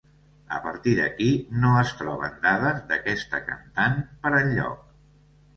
A partir d'aquí no es troben dades d'aquesta cantant per enlloc.